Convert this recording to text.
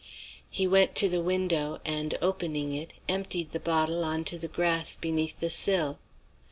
He went to the window, and opening it, emptied the bottle on to the grass beneath the sill.